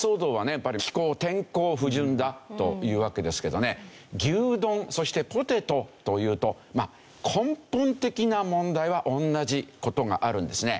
やっぱり気候天候不順だというわけですけどね牛丼そしてポテトというとまあ根本的な問題は同じ事があるんですね。